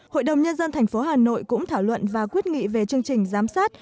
hội đồng nhân dân tp hà nội cũng thảo luận và quyết nghị về chương trình giám sát